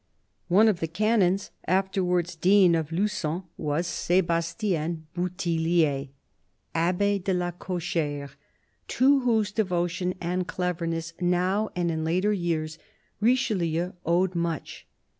One of the canons, afterwards dean, of Lucon was Sebastien 46 CARDINAL DE RICHELIEU Bouthillier, Abbe de la Cochere, to whose devotion and cleverness, now and in later years, Richelieu owed much.